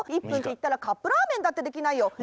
１ぷんっていったらカップラーメンだってできないよ。